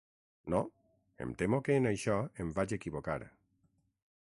No, em temo que en això em vaig equivocar.